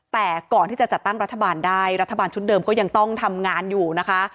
แต่ก่อนที่จะจัดตั้งรัฐบาลได้รัฐบาลชุดเดิมก็ยังต้องทำงานอยู่นะคะ